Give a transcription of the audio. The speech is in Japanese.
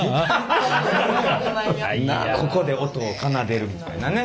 ここで音を奏でるみたいなね。